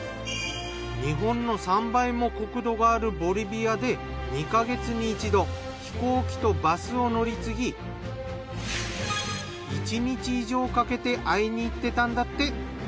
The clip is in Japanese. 日本の３倍も国土があるボリビアで２か月に一度飛行機とバスを乗り継ぎ１日以上かけて会いに行ってたんだって。